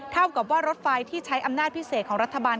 เท่ากับว่ารถไฟที่ใช้อำนาจพิเศษของรัฐบาล